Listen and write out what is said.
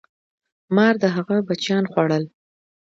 مار د هغه بچیان خوړل.